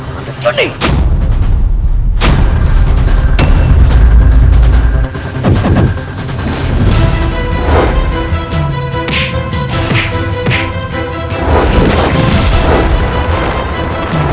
kau tak akan menang